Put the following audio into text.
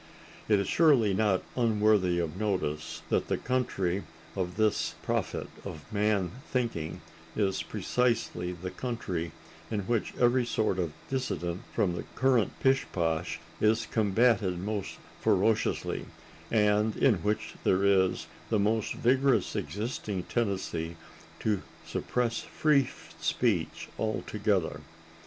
It is surely not unworthy of notice that the country of this prophet of Man Thinking is precisely the country in which every sort of dissent from the current pishposh is combated most ferociously, and in which there is the most vigorous existing tendency to suppress free speech altogether.